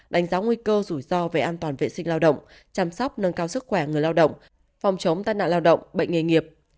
đánh giá nguy cơ rủi ro về an toàn vệ sinh lao động chăm sóc nâng cao sức khỏe người lao động phòng chống tai nạn lao động bệnh nghề nghiệp